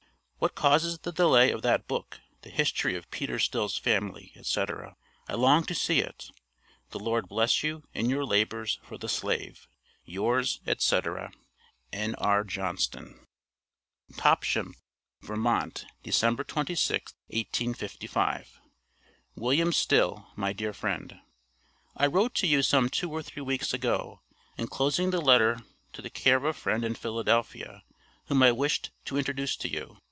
What causes the delay of that book, the History of Peter Still's Family, etc.? I long to see it. The Lord bless you in your labors for the slave. Yours, etc., N.R. JOHNSTON. TOPSHAM, VT., December 26th, 1855. WM. STILL, MY DEAR FRIEND: I wrote to you some two or three weeks ago, enclosing the letter to the care of a friend in Philadelphia, whom I wished to introduce to you.